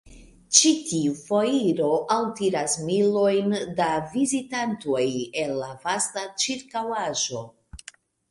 Ĉi tiu foiro altiras milojn da vizitantoj el la vasta ĉirkaŭaĵo.